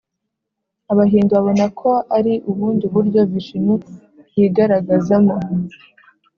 abahindu babona ko ari ubundi buryo vishinu yigaragazamo